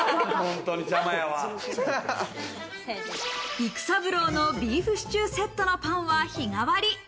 育三郎のビーフシチューセットのパンは日替わり。